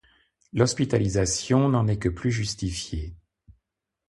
L'hospitalisation n'en est que plus justifiée.